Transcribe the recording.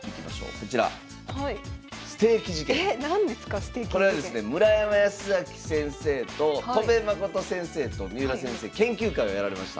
これはですね村山慈明先生と戸辺誠先生と三浦先生研究会をやられました。